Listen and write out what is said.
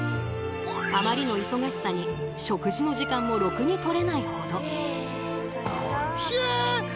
あまりの忙しさに食事の時間もろくに取れないほど。